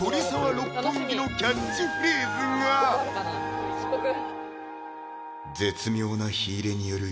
六本木のキャッチフレーズが短い！